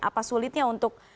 apa sulitnya untuk